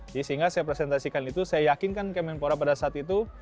jadi sehingga saya presentasikan itu saya yakinkan kemenpora pada saat itu